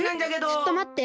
ちょっとまって！